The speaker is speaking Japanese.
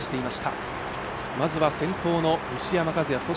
まずは先頭の西山和弥